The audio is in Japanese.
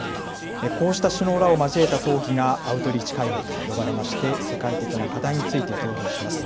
こうした首脳らを交えた討議がアウトリーチ会合と呼ばれ世界的な課題について討議をします。